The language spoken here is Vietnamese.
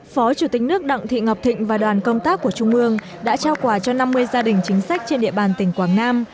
phó chủ tịch nước đặng thị ngọc thịnh và đoàn công tác của trung ương đã trao quà cho năm mươi gia đình chính sách trên địa bàn tỉnh quảng nam